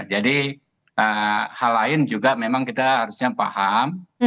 jadi hal lain juga memang kita harusnya paham